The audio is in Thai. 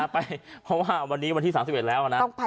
เพราะว่าวันนี้วันที่๓๑แล้วนะ